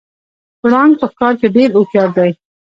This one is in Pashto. پړانګ په ښکار کې ډیر هوښیار دی